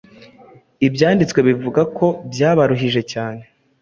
Ibyanditswe bivuga ko, “byabaruhije cyane.”